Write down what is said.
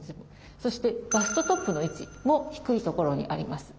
そしてバストトップの位置も低いところにあります。